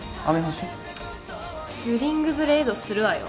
チッスリングブレイドするわよ